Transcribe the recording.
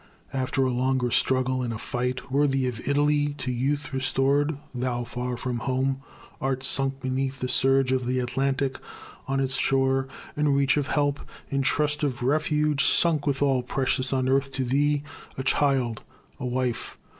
After a longer struggle, in a fight Worthy of Italy, to youth restored, Thou, far from home, art sunk beneath the surge Of the Atlantic; on its shore; in reach Of help; in trust of refuge; sunk with all Precious on earth to thee a child, a wife!